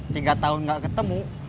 tiga tahun gak ketemu